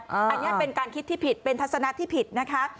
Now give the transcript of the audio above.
อันนี้เป็นการคิดที่ผิดเป็นทัศนะที่ผิดนะคะ